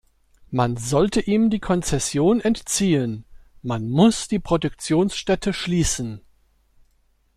Man sollte ihm die Konzession entziehen. Man muss die Produktionsstätte schließen.